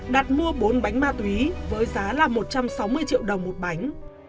đặt mua bốn bánh ma túy với giá là một trăm sáu mươi triệu đồng một bánh